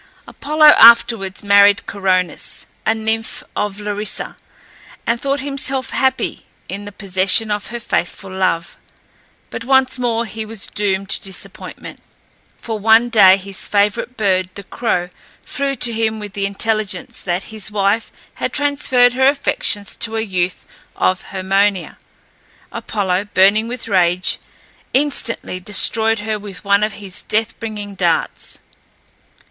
Apollo afterwards married Coronis, a nymph of Larissa, and thought himself happy in the possession of her faithful love; but once more he was doomed to disappointment, for one day his favourite bird, the crow, flew to him with the intelligence that his wife had transferred her affections to a youth of Haemonia. Apollo, burning with rage, instantly destroyed her with one of his death bringing darts.